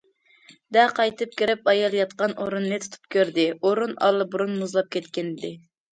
دە قايتىپ كىرىپ ئايال ياتقان ئورۇننى تۇتۇپ كۆردى، ئورۇن ئاللىبۇرۇن مۇزلاپ كەتكەنىدى.